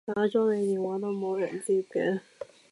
打咗你電話都冇人接嘅